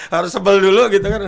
harus sebel dulu gitu kan